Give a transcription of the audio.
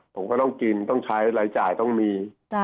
ผมก็ต้องกินต้องใช้รายจ่ายต้องมี